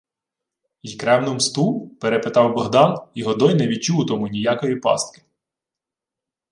— Й кревну мсту? — перепитав Богдан, і Годой не відчув у тому ніякої пастки.